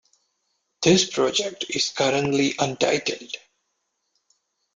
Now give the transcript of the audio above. This project is currently untitled.